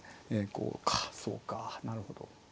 こうかそうかなるほど。